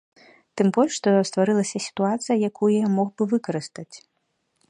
Тым больш што стварылася сітуацыя, якую я мог бы выкарыстаць.